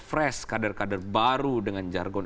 fresh kader kader baru dengan jargon